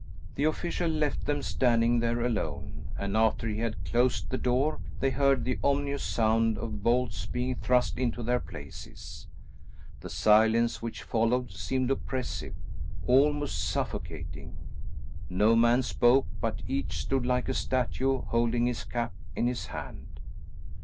The official left them standing there alone, and after he had closed the door they heard the ominous sound of bolts being thrust into their places. The silence which followed seemed oppressive; almost suffocating. No man spoke, but each stood like a statue holding his cap in his hand.